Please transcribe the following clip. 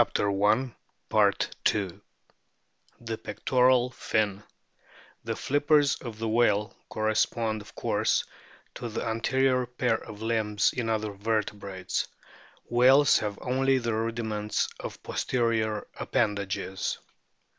1 6 A BOOK OF WHALES THE PECTORAL FIN The flippers of the whale correspond of course to the anterior pair of limbs in other vertebrates. Whales have only the rudiments of posterior ap pendages.